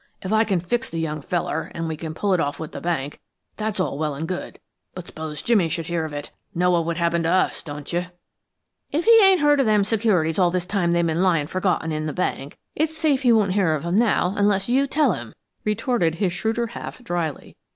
If I can fix the young feller, and we can pull it off with the bank, that's all well and good. But s'pose Jimmy should hear of it? Know what would happen to us, don't you?" "If he ain't heard of them securities all this time they've been lyin' forgotten in the bank, it's safe he won't hear of 'em now unless you tell him," retorted his shrewder half, dryly.